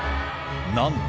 なんと